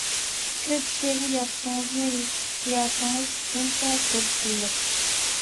كۆپ شېئىر يازسىڭىزمۇ، ھېسسىياتىڭىز شۇنچە دولقۇنلۇق.